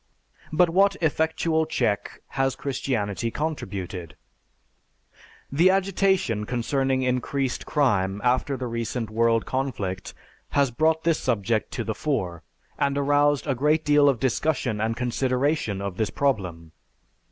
But what effectual check has Christianity contributed? The agitation concerning increased crime after the recent world conflict has brought this subject to the fore, and aroused a great deal of discussion and consideration of this problem.